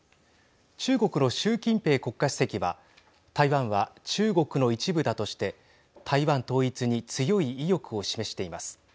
中国の習近平国家主席は台湾は中国の一部だとして台湾統一に強い意欲を示しています。